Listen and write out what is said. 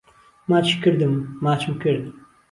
ماچی کردم ماچم کرد